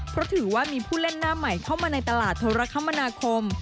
เพราะถือว่ามีผู้เล่นหน้าใหม่เข้ามาในตลาดโทรคมนาคม